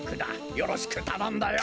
よろしくたのんだよ。